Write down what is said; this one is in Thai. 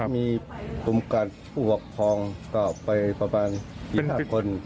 มีปรุงการผู้หกพองก็ไปประมาณกี่ห้าคน